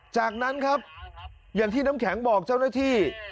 จากนั้นครับอย่างที่น้ำแข็งบอกเจ้าหน้าที่